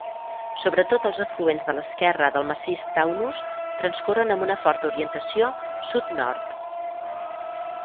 Sobretot els afluents de l'esquerra del massís Taunus transcorren amb una forta orientació sud-nord.